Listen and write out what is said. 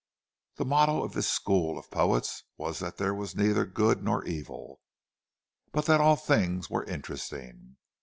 The motto of this "school" of poets was that there was neither good nor evil, but that all things were "interesting."